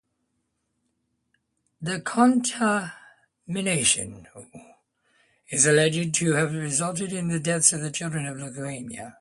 The contamination is alleged to have resulted in the deaths of children from leukemia.